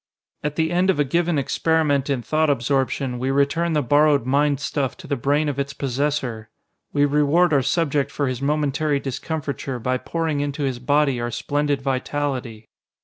"At the end of a given experiment in thought absorption, we return the borrowed mind stuff to the brain of its possessor. We reward our subject for his momentary discomfiture by pouring into his body our splendid vitality.